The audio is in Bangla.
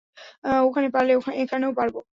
ওখানে পারলে এখানেও পারব।